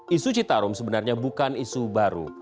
isu citarum sebenarnya bukan isu baru